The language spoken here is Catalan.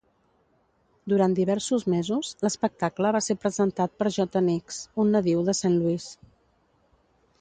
Durant diversos mesos, l'espectacle va ser presentat per J-Nicks, un nadiu de Saint Louis.